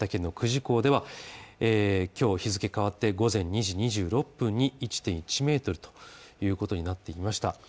岩手県の久慈港では今日日付変わって午前２時２６分に１．１ｍということになってきました。